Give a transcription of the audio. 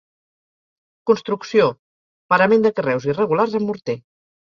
Construcció: parament de carreus irregulars amb morter.